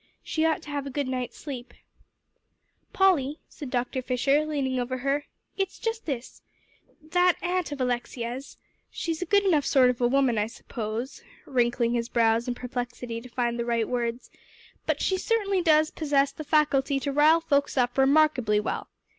"She ought to have a good night's sleep." "Polly," said Dr. Fisher, leaning over her, "it's just this: that aunt of Alexia's she's a good enough sort of a woman, I suppose," wrinkling his brows in perplexity to find the right words, "but she certainly does possess the faculty to rile folks up remarkably well.